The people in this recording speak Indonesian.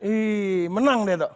ih menang deh tuh